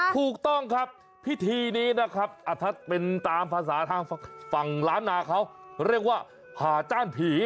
ถูกต้องครับพิธีนี้นะครับถ้าเป็นตามภาษาทางฝั่งล้านนาเขาเรียกว่าผ่าจ้านผี